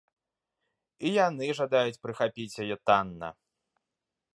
І яны жадаюць прыхапіць яе танна.